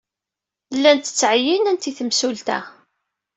Llant ttɛeyyinent i temsulta.